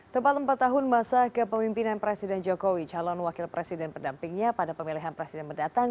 tepat empat tahun masa kepemimpinan presiden jokowi calon wakil presiden pendampingnya pada pemilihan presiden mendatang